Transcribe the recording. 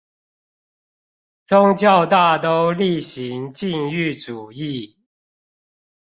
宗教大都厲行禁欲主義